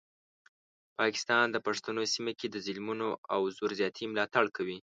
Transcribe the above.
پاکستان د پښتنو سیمه کې د ظلمونو او زور زیاتي ملاتړ کوي.